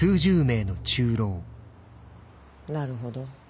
なるほど。